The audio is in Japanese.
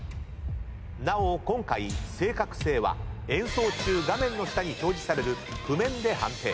なお今回正確性は演奏中画面の下に表示される譜面で判定。